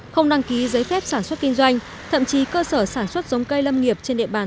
không đăng ký giấy phép sản xuất kinh doanh thậm chí cơ sở sản xuất giống cây lâm nghiệp trên địa bàn